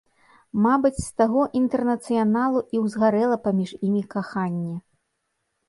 Мабыць, з таго інтэрнацыяналу і ўзгарэла паміж імі каханне.